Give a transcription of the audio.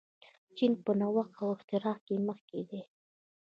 چین په نوښت او اختراع کې مخکښ دی.